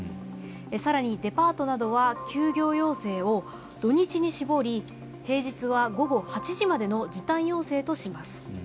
さらにデパートなどは休業要請を土日に絞り平日は午後８時までの時短要請とします。